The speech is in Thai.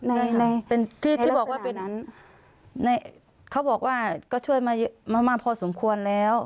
ในในเป็นที่ที่บอกว่าเป็นนั้นในเขาบอกว่าก็ช่วยมามากพอสมควรแล้ว